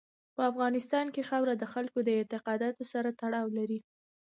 په افغانستان کې خاوره د خلکو اعتقاداتو سره تړاو لري.